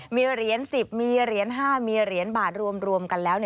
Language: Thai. มีเหรียญ๑๐มีเหรียญ๕มีเหรียญบาทรวมกันแล้ว